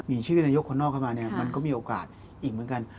มีชื่อนายกคนนอกเข้ามาเนี่ยมันก็มีโอกาสอีกเหมือนกัน